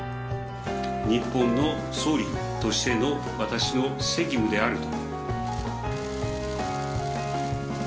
日本の総理としての私の責務であると。